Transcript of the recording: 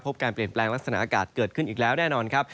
การเปลี่ยนแปลงลักษณะอากาศเกิดขึ้นอีกแล้วแน่นอนครับ